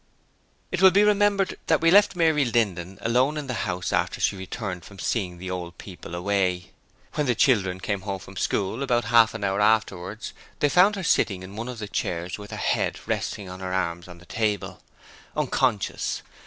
It will be remembered that we left Mary Linden alone in the house after she returned from seeing the old people away. When the children came home from school, about half an hour afterwards, they found her sitting in one of the chairs with her head resting on her arms on the table, unconscious.